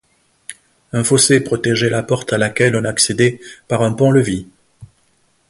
Un fossé protégeait la porte à laquelle on accédait par un pont-levis.